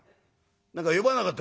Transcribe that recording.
「何か呼ばなかった？